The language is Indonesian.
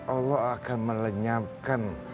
allah akan melenyapkan